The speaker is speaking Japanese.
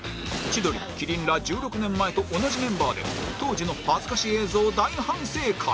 千鳥麒麟ら１６年前と同じメンバーで当時の恥ずかし映像大反省会